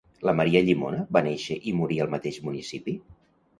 La Maria Llimona va néixer i morir al mateix municipi?